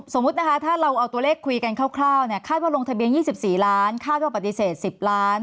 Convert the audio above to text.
สมมุตินะคะถ้าเราเอาตัวเลขคุยกันคร่าวคาดว่าลงทะเบียน๒๔ล้านคาดว่าปฏิเสธ๑๐ล้าน